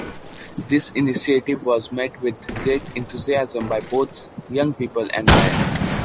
This initiative was met with great enthusiasm by both young people and parents.